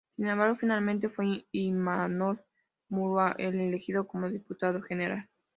Sin embargo finalmente fue Imanol Murua el elegido como diputado general.